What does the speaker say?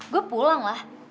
gue pulang lah